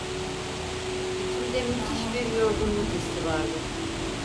İçimde müthiş bir yorgunluk hissi vardı.